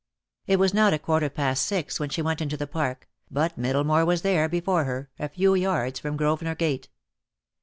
It was not a quarter past six when she went into the Park, but Middlemore was there before her, a few yards from Grosvenor Gate.